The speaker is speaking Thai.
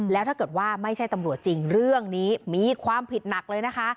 แล้วถ้าเกิดว่าไม่ใช่ตำรวจจริงเรื่องนี้มีความผิดหนักเลยนะคะ